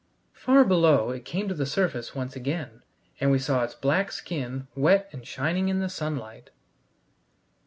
Far below it came to the surface once again, and we saw its black skin, wet and shining in the sunlight.